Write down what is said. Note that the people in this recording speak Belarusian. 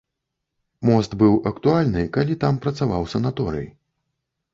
Мост быў актуальны, калі там працаваў санаторый.